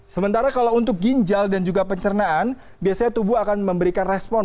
sementara kalau untuk ginjal dan juga pencernaan biasanya tubuh akan memberikan respon